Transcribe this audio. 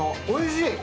おいしい。